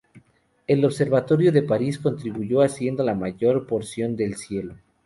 El Observatorio de París contribuyó haciendo la mayor porción del cielo.